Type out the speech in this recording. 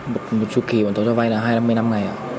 một chủ kỳ bọn cháu cho vai là hai trăm năm mươi năm ngày